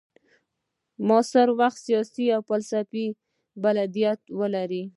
معاصر وخت سیاسي فلسفې بلدتیا ولري.